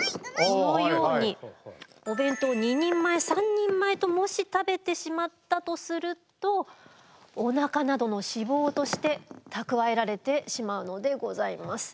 このようにお弁当を２人前３人前ともし食べてしまったとするとお腹などの脂肪として蓄えられてしまうのでございます。